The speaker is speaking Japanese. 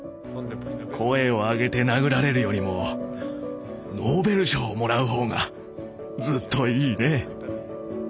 声を上げて殴られるよりもノーベル賞をもらう方がずっといいね。